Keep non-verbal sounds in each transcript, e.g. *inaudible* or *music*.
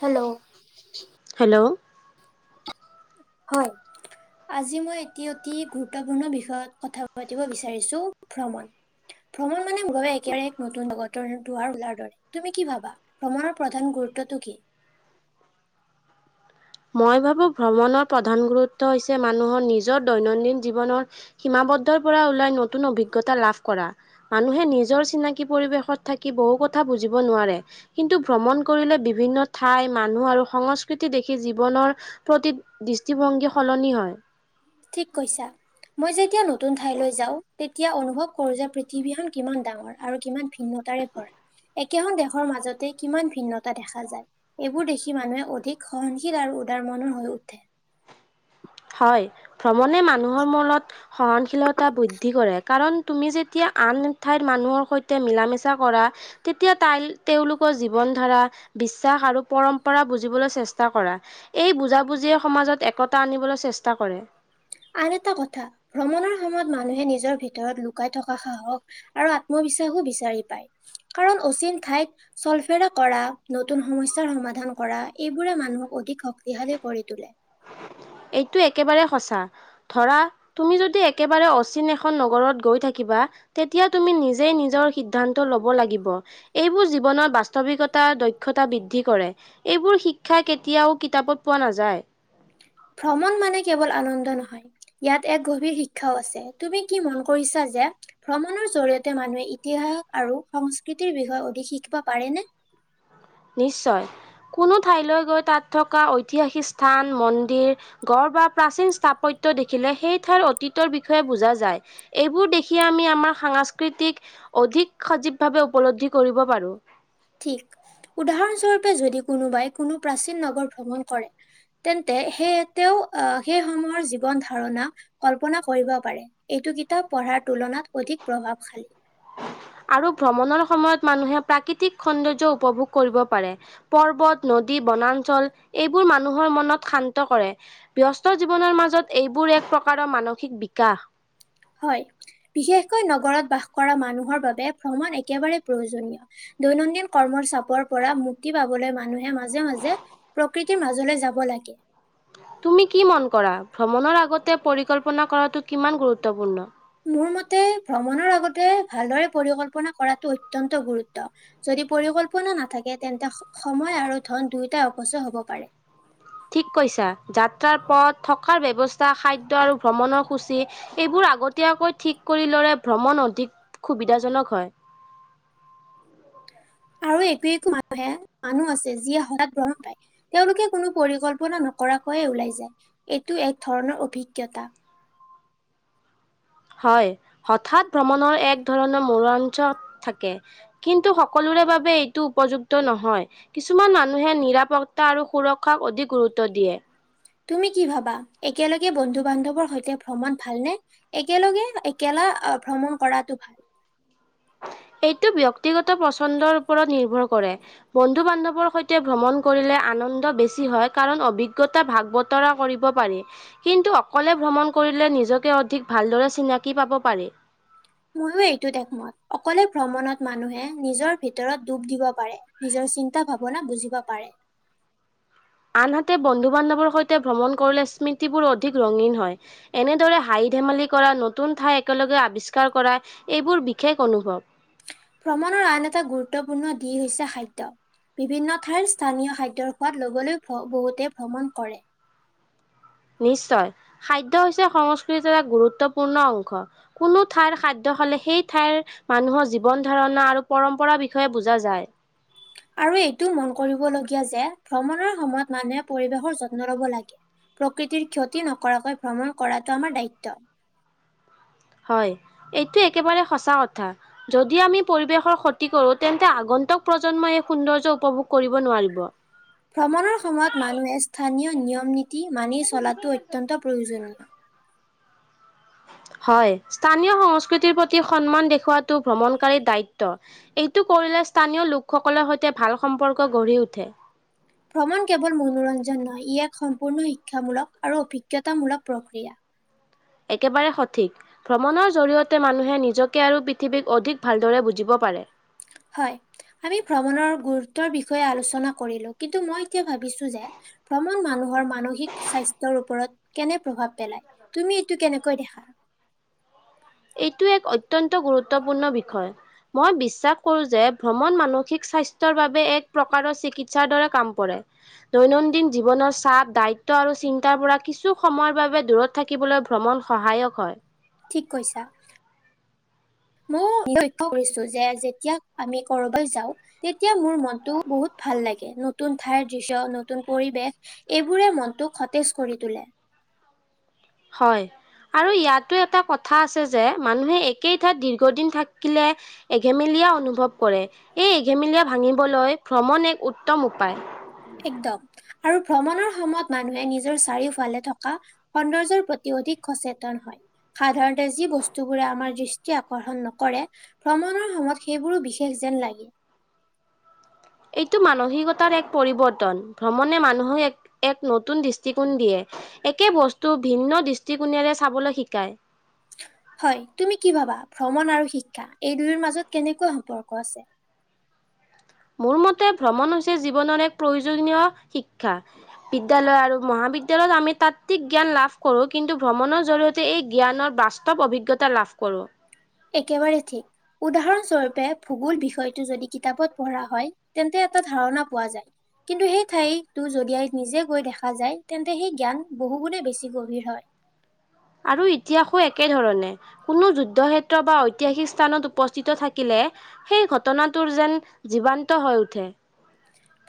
Hello. Hello. হয়। আজি মই এটি অতি গুৰুত্বপূৰ্ণ বিষয়ত কথা পাতিব বিচাৰিছো ভ্ৰমণ। ভ্ৰমণ মানে মোৰ বাবে একেবাৰে এক নতুন জগতৰ দুৱাৰ ওলাৰ দৰে তুমি কি ভাবা? ভ্ৰমণৰ প্ৰধান গুৰুত্বটো কি? মই ভাবো ভ্ৰমণৰ প্ৰধান গুৰুত্ব হৈছে মানুহৰ নিজৰ দৈনন্দিন জীৱনৰ সীমাবদ্ধৰ পৰা ওলাই নতুন অভিজ্ঞতা লাভ কৰা। মানুহে নিজৰ চিনাকি পৰিৱেশত থাকি বহু কথা বুজিব নোৱাৰে। কিন্তু ভ্ৰমণ কৰিলে বিভিন্ন ঠাই মানুহ আৰু সংস্কৃতি দেখি সি জীৱনৰ প্ৰতি দৃষ্টিভংগী সলনি হয়। ঠিক কৈছা। মই যেতিয়া নতুন ঠাইলৈ যাও তেতিয়া অনুভৱ কৰো যে পৃথিৱীখন কিমান ডাঙৰ আৰু কিমান ভিন্নতাৰে ভৰা একেখন দেশৰ মাজতে কিমান ভিন্নতা দেখা যায়। এইবোৰ দেখি মানুহে অধিক সহনশীল আৰু উদাৰ মনৰ হৈ উঠে। হয় ভ্ৰমণে মানুহৰ মনত সহনশীলতা বৃদ্ধি কৰে কাৰণ তুমি যেতিয়া আন ঠাইৰ মানুহৰ সৈতে মিলা মিছা কৰা তেতিয়া তাই তেওঁলোকৰ জীৱন ধাৰা, বিশ্বাস আৰু পৰম্পৰা বুজিবলৈ চেষ্টা কৰা এই বুজাবুজিয়ে সমাজত একতা আনিবলৈ চেষ্টা কৰে। আন এটা কথা ভ্ৰমণৰ সময়ত মানুহে নিজৰ ভিতৰত লুকাই থকা সাহস আৰু আত্মবিশ্বাসো বিচাৰি পায় কাৰণ অচিন ঠাইত, চলফেৰা কৰা নতুন সমস্যাৰ সমাধান কৰা এইবোৰে মানুহক অধিক শক্তিশালী কৰি তোলে। এইটো একেবাৰে সঁচা ধৰা, তুমি যদি একেবাৰে অচিন এখন নগৰত গৈ থাকিবা। তেতিয়া তুমি নিজেই নিজৰ সিদ্ধান্ত লব লাগিব। এইবোৰ জীৱনত বাস্তৱিকতা দক্ষতা বৃদ্ধি কৰে। এইবোৰ শিক্ষা কেতিয়াও কিতাপত পোৱা নাযায়। ভ্ৰমণ মানে কেৱল আনন্দ নহয়। ইয়াত এক গভীৰ শিক্ষাও আছে তুমি কি মন কৰিছা যে। ভ্ৰমণৰ জৰীয়তে মানুহে ইতিহাস আৰু সংস্কৃতিৰ বিষয়ে অধিক শিকিব পাৰেনে। নিশ্চয় কোনো ঠাইলৈ গৈ তাত থকা ঐতিহাসিক স্থান মন্দিৰ। গড় বা প্ৰাচীন স্থাপত্য দেখিলে সেই ঠাইৰ অতীতৰ বিষয়ে বুজা যায়। এইবোৰ দেখিয়ে আমি আমাৰ সাংস্কৃতিক অধিক সজীৱ ভাৱে উপলব্ধি কৰিব পাৰো। ঠিক উদাহৰণস্বৰূপে যদি কোনোবাই কোনো প্ৰাচীন নগৰ ভ্ৰমণ কৰে। তেন্তে সেইয়ে তেওঁ আহ সেই সমহৰ জীৱন ধাৰণা। কল্পনা কৰিব পাৰে এইটো কিতাপ পঢ়াৰ তুলনাত অধিক প্ৰভাৱশালী। আৰু ভ্ৰমণৰ সময়ত মানুহে প্ৰাকৃতিক সৌন্দৰ্য্য উপভোগ কৰিব পাৰে। পৰ্বত, নদী, বনাঞ্চল এইবোৰ মানুহৰ মনত শান্ত কৰে। ব্যস্ত জীৱনৰ মাজত এইবোৰ এক প্ৰকাৰৰ মানসিক বিকাশ। হয় বিশেষকৈ নগৰত বাস কৰা মানুহৰ বাবে ভ্ৰমণ একেবাৰে প্ৰয়োজনীয়। দৈনন্দিন কৰ্মৰ চাপৰ পৰা মুক্তি পাবলৈ মানুহে। মাজে-মাজে প্ৰকৃতিৰ মাজলৈ যাব লাগে। তুমি কি মন কৰা ভ্ৰমণৰ আগতে পৰিকল্পনা কৰাটো কিমান গুৰুত্বপূৰ্ণ। মোৰ মতে ভ্ৰমণৰ আগতে ভালদৰে পৰিকল্পনা কৰাটো অত্যন্ত গুৰুত্ব। যদি পৰিকল্পনা নাথাকে তেন্তে সময় আৰু ধন দুয়োটাই অপচয় হব পাৰে। ঠিক কৈছা যাত্ৰাৰ পথ থকাৰ ব্যৱস্থা খাদ্য আৰু ভ্ৰমণৰ সূচী। এইবোৰ আগতীয়াকৈ ঠিক কৰি ললে ভ্ৰমণ অধিক সুবিধাজনক হয়। আৰু একো একো মানুহে মানুহ আছে যি এ সময়ত গম পাই। তেওঁলোকে কোনো পৰিকল্পনা নকৰাকৈয়ে ওলাই যায় এইটো এক ধৰণৰ অভিজ্ঞতা। হয় হঠাৎ ভ্ৰমণৰ এক ধৰণৰ মনোৰঞ্জ থাকে। কিন্তু সকলোৰে বাবে এইটো উপযুক্ত নহয়। কিছুমান মানুহে নিৰাপত্তা আৰু সুৰক্ষাক অধিক গুৰুত্ব দিয়ে। তুমি কি ভাবা একেলগে বন্ধু-বান্ধৱৰ সৈতে ভ্ৰমণ ভালনে? একেলগে একেলা অ, ভ্ৰমণ কৰাটো ভাল। এইটো ব্যক্তিগত পচন্দৰ ওপৰত নিৰ্ভৰ কৰে। বন্ধু-বান্ধৱৰ সৈতে ভ্ৰমন কৰিলে আনন্দ বেছি হয় কাৰণ অভিজ্ঞতা ভাগ বত বতৰা কৰিব পাৰি। কিন্তু অকলে ভ্ৰমণ কৰিলে নিজকে অধিক ভালদৰে চিনাকি পাব পাৰি। ময়ো এইটোত একমত অকলে ভ্ৰমণত মানুহে নিজৰ ভিতৰত ডুব দিব পাৰে। নিজৰ চিন্তা ভাৱনা বুজিব পাৰে। আনহাতে বন্ধু-বান্ধৱৰ সৈতে ভ্ৰমণ কৰিলে স্মৃতিবোৰ অধিক ৰঙীন হয়। এনেদৰে হাঁহি ধেমালি কৰা নতুন ঠাই একেলগে আৱিষ্কাৰ কৰা এইবোৰ বিশেষ অনুভৱ। ভ্ৰমণৰ আন এটা গুৰুত্বপূৰ্ণ দি হৈছে খাদ্য। বিভিন্ন ঠাইৰ স্থানীয় খাদ্যৰ সোৱাদ লবলৈ বহুতে ভ্ৰমণ কৰে। নিশ্চয় খাদ্য হৈছে সংস্কৃতিৰ এক গুৰুত্বপূৰ্ণ অংশ। কোনো ঠাইৰ খাদ্য খালে সেই ঠাইৰ মানুহৰ জীৱন-ধাৰণা আৰু পৰম্পৰা বিষয়ে বুজা যায়। আৰু এইটোও মন কৰিবলগীয়া যে ভ্ৰমণৰ সময়ত মানুহে পৰিৱেশৰ যত্ন লব লাগে। প্ৰকৃতিৰ ক্ষতি নকৰাকৈ ভ্ৰমণ কৰাটো আমাৰ দায়িত্ব। হয় এইটো একেবাৰে সঁচা কথা। যদি আমি পৰিৱেশৰ ক্ষতি কৰোঁ তেন্তে আগন্তুক প্ৰজন্মই এই সৌন্দৰ্য উপভোগ কৰিব নোৱাৰিব। ভ্ৰমণৰ সময়ত মানুহে স্থানীয় নিয়ম - নীতি মানি চলাটো অত্যন্ত প্ৰয়োজনীয়। হয় স্থানীয় সংস্কৃতিৰ প্ৰতি সন্মান দেখওৱাটো ভ্ৰমণকাৰীৰ দায়িত্ব। এইটো কৰিলে স্থানীয় লোকসকলৰ সৈতে ভাল সম্পৰ্ক গঢ়ি উঠে। ভ্ৰমণ কেৱল মনোৰঞ্জন নহয় ই এক সম্পূৰ্ণ শিক্ষামূলক আৰু অভিজ্ঞতামূলক প্ৰক্ৰিয়া। একেবাৰে সঠিক। ভ্ৰমণৰ জৰি়য়তে মানুহে নিজকে আৰু পৃথিৱীক অধিক ভালদৰে বুজিব পাৰে। হয় আমি ভ্ৰমণৰ গুৰুত্বৰ বিষয়ে আলোচনা কৰিলোঁ কিন্তু মই এতিয়া ভাবিছো যে ভ্ৰমণ মানুহৰ মানসিক স্বাস্থ্যৰ ওপৰত কেনে প্ৰভাৱ পেলায় তুমি এইটো কেনেকৈ দেখা? এইটো এক অত্যন্ত গুৰুত্বপূৰ্ণ বিষয়। মই বিশ্বাস কৰো যে ভ্ৰমণ মানসিক স্বাস্থ্যৰ বাবে এক প্ৰকাৰৰ চিকিৎসাৰ দৰে কাম কৰে। দৈনন্দিন জীৱনৰ চাপ, দায়িত্ব আৰু চিন্তাৰ পৰা কিছু সময়ৰ বাবে দূৰত থাকিবলৈ ভ্ৰমণ সহায়ক হয়। ঠিক কৈছা। মইও লক্ষ্য কৰিছো যে যেতিয়া আমি *unintelligible* যাওঁ তেতিয়া মোৰ মনটো বহুত ভাল লাগে নতুন ঠাইৰ দৃশ্য, নতুন পৰিৱেশ এইবোৰে মনটোক সতেজ কৰি তোলে। হয়। আৰু ইয়াতো এটা কথা আছে যে মানুহে একেই ঠাইত দীৰ্ঘদিন থাকিলে এঘেমেলীয়া অনুভৱ কৰে এই এঘেমেলীয়া ভাঙিবলৈ ভ্ৰমণ এক উত্তম উপায়। একদম আৰু ভ্ৰমণৰ সময়ত মানুহে নিজৰ চাৰিওফালে থকা সৌন্দৰ্যৰ প্ৰতি অধিক সচেতন হয়। সাধাৰতে যি বস্তু বোৰে আমাৰ দৃষ্টি আকৰ্ষণ নকৰে ভ্ৰমণৰ সময়ত সেইবোৰো বিশেষ যেন লাগে। এইটো মানসিকতাৰ এক পৰিৱৰ্তন ভ্ৰমণে মানুহক এক-এক নতুন দৃষ্টিকোণ দিয়ে। একে বস্তু ভিন্ন দৃষ্টিকোণেৰে চাবলৈ শিকায়। হয় তুমি কি ভাবা ভ্ৰমণ আৰু শিক্ষা এই দুয়োৰ মাজত কেনেকৈ সম্পৰ্ক আছে? মোৰ মতে ভ্ৰমণ হৈছে জীৱনৰ এক প্ৰয়োজনীয় শিক্ষা। বিদ্যালয় আৰু মহাবিদ্যালয়ত আমি তাত্ত্বিক জ্ঞান লাভ কৰোঁ কিন্তু ভ্ৰমণৰ জৰিয়তে এই জ্ঞানৰ বা স্তৱ অভিজ্ঞতা লাভ কৰোঁ। একেবাৰে ঠিক উদাহৰণ স্বৰূপে ভূগোল বিষয়টো যদি কিতাপত পঢ়া হয় তেন্তে এটা ধাৰণা পোৱা যায়। কিন্তু সেই ঠাইতো যদি আই নিজে গৈ দেখা যায় তেন্তে সেই জ্ঞান বহু গুনে বেছি গভীৰ হয়। আৰু ইতিহাসো একে ধৰণে। কোনো যুদ্ধ ক্ষেত্ৰ বা ঐতিহাসিক স্থানত উপস্থিত থাকিলে সেই ঘটনাটোৰ যেন জীৱান্ত হৈ উঠে।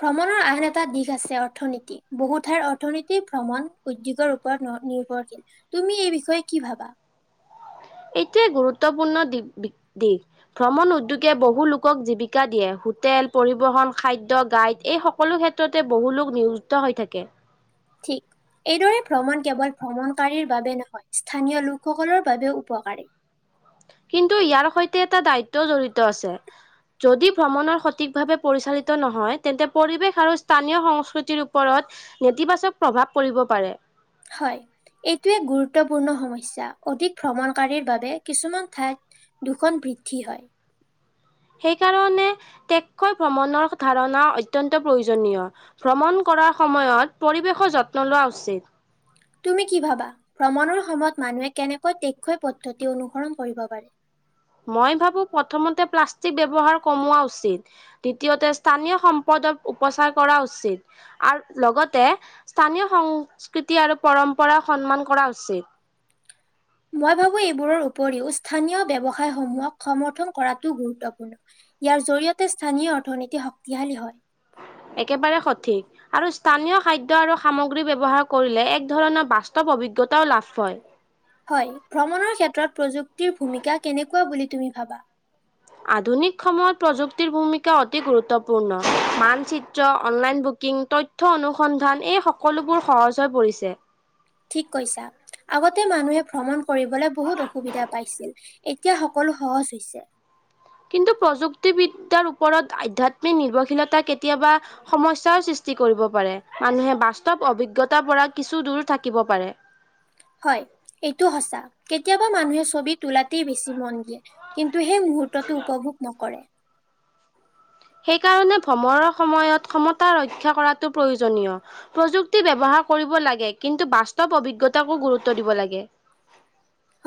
ভ্ৰমণৰ আন এটা দিশ আছে অৰ্থনীতি, বহু ঠাইৰ অৰ্থনৈতি ভ্ৰমণ উদ্যোগৰ ওপৰত ন নিৰ্ভৰশীল তুমি এই বিষয়ে কি ভাবা? এইটোৱে গুৰুত্বপূৰ্ণ দি বি দিশ। ভ্ৰমণ উদ্যোগে বহু লোকক জীৱিকা দিয়ে হোটেল পৰিবহন খাদ্য গাইড এই সকলো ক্ষেত ততে বহু লোক নিয়োজিত হৈ থাকে। ঠিক। এইদৰে ভ্ৰমণ কেৱল ভ্ৰমণকাৰীৰ বাবে নহয় স্থানীয় লোকসকলৰ বাবেও উপকাৰী। কিন্তু ইয়াৰ সৈতে এটা দায়িত্বও জড়িত আছে। যদি ভ্ৰমণৰ সঠিকভাৱে পৰিচালিত নহয় তেন্তে পৰিৱেশ আৰু স্থানীয় সংস্কৃতিৰ ওপৰত নেতিবাচক প্ৰভাৱ পৰিব পাৰে। হয় এইটোৱে গুৰুত্বপূৰ্ণ সমস্যা, অধিক ভ্ৰমণকাৰীৰ বাবে কিছুমান ঠাইত দুখন বৃদ্ধি হয়। সেইকাৰণে টেককৈ ভ্ৰমণৰ ধাৰণা অত্যন্ত প্ৰয়োজনীয়। ভ্ৰমণ কৰাৰ সময়ত পৰিৱেশৰ যত্ন লোৱা উচিত। তুমি কি ভাবা ভ্ৰমণৰ সময়ত মানুহে কেনেকৈ টেককৈ পদ্ধতি অনুসৰণ কৰিব পাৰে। মই ভাবো প্ৰথমতে প্লাষ্টিক ব্যৱহাৰ কমোৱা উচিত। দ্বিতীয়তে স্থানীয় সম্পদক উপচাৰ কৰা উচিত। আৰু লগতে স্থানীয় সংস্কৃতি আৰু পৰম্পৰা সন্মান কৰা উচিত। মই ভাবো এইবোৰৰ উপৰিও স্থানীয় ব্যৱসায়সমূহক সমৰ্থন কৰাটো গুৰুত্বপূৰ্ণ। ইয়াৰ জৰিয়তে স্থানীয় অৰ্থনীতি শক্তিশালী হয়। একেবাৰে সঠিক। আৰু স্থানীয় খাদ্য আৰু সামগ্ৰী ব্যৱহাৰ কৰিলে এক ধৰণৰ বাস্তৱ অভিজ্ঞতাও লাভ হয়। হয় ভ্ৰমণৰ ক্ষেত্ৰত প্ৰযুক্তিৰ ভূমিকা কেনেকুৱা বুলি তুমি ভাবা? আধুনিক সময়ত প্ৰযুক্তিৰ ভূমিকা অতি গুৰুত্বপূৰ্ণ মানচিত্ৰ অনলাইন বুকিং তৈ থ অনুসন্ধান এই সকলোবোৰ সহজ হৈ পৰিছে‍। ঠিক কৈছা। আগতে মানুহে ভ্ৰমণ কৰিবলৈ বহুত অসুবিধা পাইছিল এতিয়া সকলো সহজ হৈছে। কিন্তু প্ৰযুক্তিবিদ্যাৰ ওপৰত আধ্যাত্মিক নিৰ্ভৰশীলতা কেতিয়াবা সমস্যাৰ সৃষ্টি কৰিব পাৰে। মানুহে বাস্তৱ অভিজ্ঞতাৰ পৰা কিছু দূৰ থাকিব পাৰে। হয় এইটো সঁচা, কেতিয়াবা মানুহে ছবি তোলাতেই বেছি মন দিয়ে। কিন্তু সেই মূহোততো উপভোগ নকৰে। সেইকাৰণে ভ্ৰমণৰ সময়ত ক্ষমতা ৰক্ষা কৰাটো প্ৰয়োজনীয়। প্ৰযুক্তি ব্যৱহাৰ কৰিব লাগে কিন্তু বাস্তৱ অভিজ্ঞতাকো গুৰুত্ব দিব লাগে।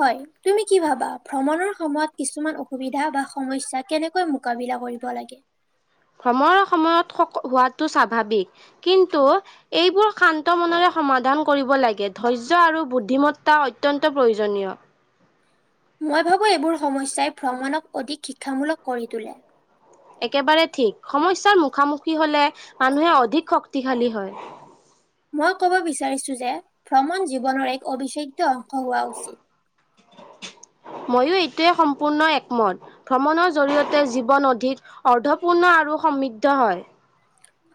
হয়। তুমি কি ভাবা ভ্ৰমণৰ সময়ত কিছুমান অসুবিধা বা সমস্যা কেনেকৈ মোকাবিলা কৰিব লাগে। সময়ত সময়ত সক হোৱাটো স্বাভাৱিক কিন্তু‌ এইবোৰ শান্ত মনেৰে সমাধান কৰিব লাগে ধৈৰ্য্য আৰু বুদ্ধিমত্তা অত্যন্ত প্ৰয়োজনীয়। মই ভাবোঁ এইবোৰ সমস্যাই ভ্ৰমণক অধিক শিক্ষামূলক কৰি তোলে। একেবাৰে ঠিক সমস্যাৰ মুখামুখি হলে মানুহে অধিক শক্তিশালী হয়। মই কব বিচাৰিছো যে ভ্ৰমণ জীৱনৰ এক অবিচ্ছেদ্য অংশ হোৱা উচিত। *inaudible* ময়ো এইটোৱে সম্পূৰ্ণ একমত। ভ্ৰমণৰ জৰিয়তে জীৱন অধিক অৰ্ধপূৰ্ণ আৰু সমৃদ্ধ হয়।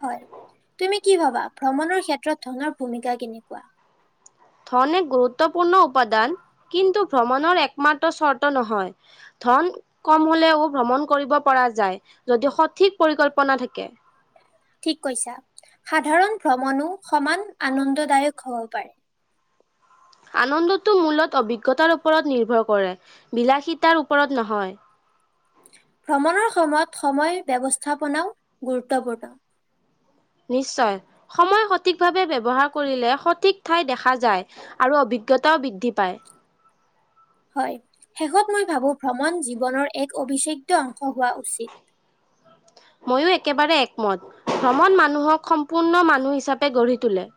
হয়, তুমি কি ভাবা ভ্ৰমণৰ ক্ষেত্ৰত ধনৰ ভূমিকা কেনেকুৱা। ধন এক গুৰুত্বপূৰ্ণ উপাদান কিন্তু ভ্ৰমণৰ একমাত্ৰ চৰ্ত নহয়। ধন কম হলেও ভ্ৰমণ কৰিব পৰা যায় যদিও সঠিক পৰিকল্পনা থাকে। ঠিক কৈছা সাধাৰণ ভ্ৰমণো সমান আনন্দদায়ক হব পাৰে। আনন্দটো মূলত অভিজ্ঞতাৰ ওপৰত নিৰ্ভৰ কৰে বিলাসী তাৰ ওপৰত নহয়। ভ্ৰমণৰ সময়ত সময় ব্যৱস্থাপনাও গুৰুত্বপূৰ্ণ। নিশ্চয় সময় সঠিকভাৱে ব্যৱহাৰ কৰিলে সঠিক ঠাই দেখা যায়। আৰু অভিজ্ঞতাও বৃদ্ধি পায়। হয় শেষত মই ভাবো ভ্ৰমণ জীৱনৰ এক অবিচ্ছেদ্য অংশ হোৱা উচিত। মইয়ো একেবাৰে একমত ভ্ৰমণ মানুহক সম্পূৰ্ণ মানুহ হিচাপে গঢ়ি তোলে।